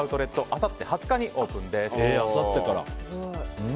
あさって２０日にオープンです。